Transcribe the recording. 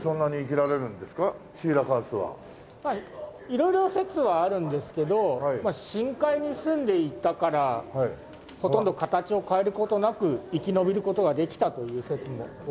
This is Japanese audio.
色々説はあるんですけど深海にすんでいたからほとんど形を変える事なく生き延びる事ができたという説もございますね。